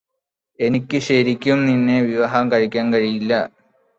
എനിക്ക് ശരിക്കും നിന്നെ വിവാഹം കഴിക്കാൻ കഴിയില്ല